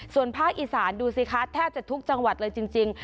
ส่วนภาคอีสานดูสิคะแทบจะทุกจังหวัดเลยจริง